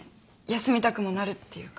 休みたくもなるっていうか。